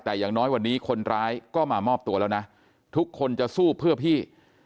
แต่อย่างน้อยวันนี้คนร้ายก็มามอบตัวแล้วนะทุกคนจะสู้เพื่อพี่